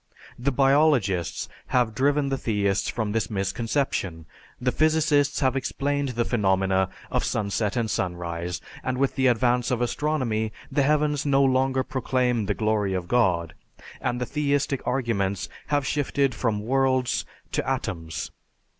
The biologists have driven the theists from this misconception, the physicists have explained the phenomena of sunset and sunrise, and with the advance of astronomy the heavens no longer proclaim the glory of God, and the theistic arguments have shifted from worlds to atoms.